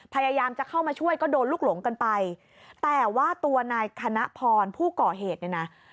พยายามจะเข้ามาช่วยก็โดนลูกหลงกันไปแต่ว่าตัวนายคณะพรผู้ก่อเหตุเนี่ยนะ